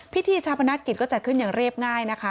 พิธีชาปนกิจก็จัดขึ้นอย่างเรียบง่ายนะคะ